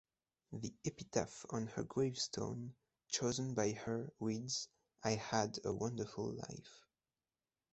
The epitaph on her gravestone, chosen by her, reads: "I had a wonderful life".